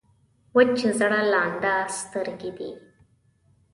وچ زړه لانده سترګې دي.